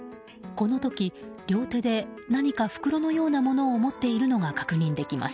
この時、両手で何か袋のようなものを持っているのが確認できます。